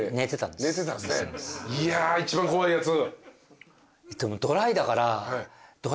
いやぁ一番怖いやつ。